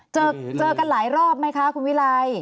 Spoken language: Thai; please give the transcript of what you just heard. เจอกันหลายรอบไหมคะคุณวิไล